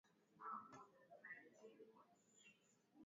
wakati wanawake wa Kikurya wanachunga ngombe na hata kukamua mifugo